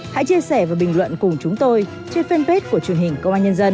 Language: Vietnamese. hãy chia sẻ và bình luận cùng chúng tôi trên fanpage của truyền hình công an nhân dân